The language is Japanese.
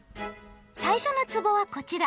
最初のつぼはこちら。